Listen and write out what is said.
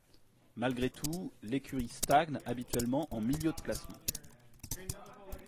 Malgré tout, l'écurie stagne habituellement en milieu de classement.